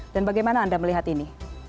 dan bagaimana anda melihat ini